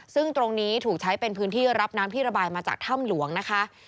ซึ่งตรงนี้ถูกใช้เป็นพื้นที่รับน้ำที่ระบายมาจากถ้ำหลวงนะคะ